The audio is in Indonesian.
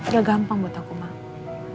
gak gampang buat aku emang